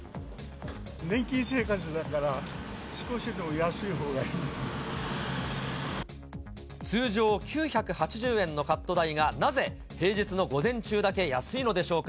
年金生活だから、通常９８０円のカット代が、なぜ平日の午前中だけ安いのでしょうか。